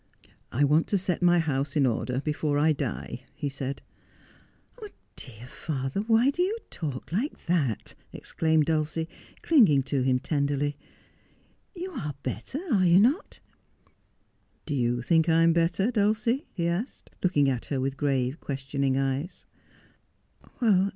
' I want to set my house in order before I die,' he said. 'Dear father, why do you talk like that 1 ' exclaimed Dulcie, clinging to him tenderly. ' You are better, are you not 1 '' Do you think I am better, Dulcie ?' he asked, looking at her with grave, questioning eyes.